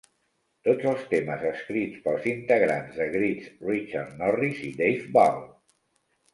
Tots els temes escrits pels integrants de Grids, Richard Norris i Dave Ball.